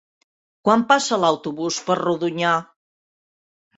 Quan passa l'autobús per Rodonyà?